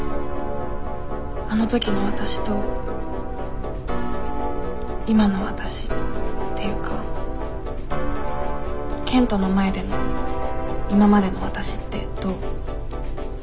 あの時のわたしと今のわたしっていうか賢人の前での今までのわたしってどう？